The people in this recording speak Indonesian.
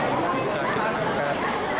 untuk bisa kita banggakan